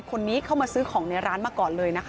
คนนี้เข้ามาซื้อของในร้านมาก่อนเลยนะคะ